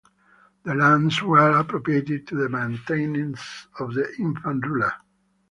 The lands were appropriated to the maintenance of the infant ruler.